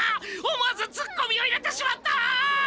思わずツッコミを入れてしまった！